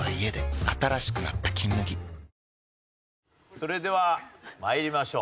それでは参りましょう。